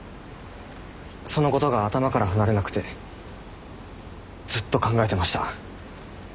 そのことが頭から離れなくてずっと考えてました。